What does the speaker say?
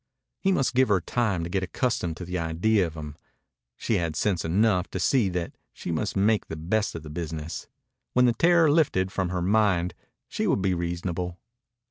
He must give her time to get accustomed to the idea of him. She had sense enough to see that she must make the best of the business. When the terror lifted from her mind she would be reasonable.